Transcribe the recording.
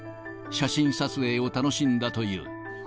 写真撮影を楽しんだという。